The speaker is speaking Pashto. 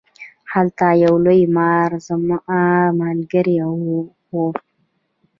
هلته یو لوی مار زما ملګری و خوړ.